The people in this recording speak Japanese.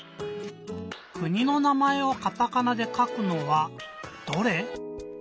くにの名まえをカタカナでかくのはどれ？